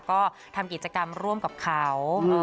ก็ทำกิจกรรมร่วมกับเขา